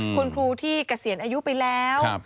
คุณครูที่เกษียณอายุไปแล้ว